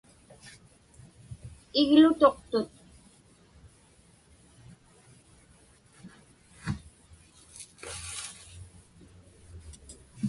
Iglutuqtut.